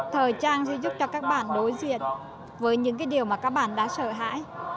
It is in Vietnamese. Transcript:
thời trang sẽ giúp cho các bạn đối diện với những cái điều mà các bạn đã sợ hãi